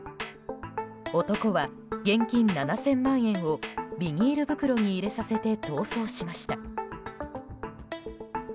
男は現金７０００万円をビニール袋に入れさせて逃走しました。